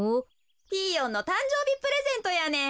ピーヨンのたんじょうびプレゼントやねん。